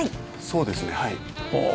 そうですねはい。